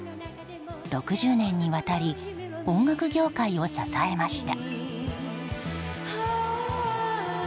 ６０年にわたり音楽業界を支えました。